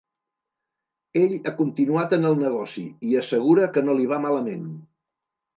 Ell ha continuat en el negoci, i assegura que no li va malament.